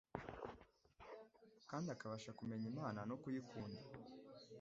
kandi akabasha kumenya Imana no kuyikunda.